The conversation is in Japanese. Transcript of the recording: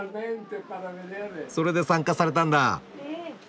それで参加されたんだ。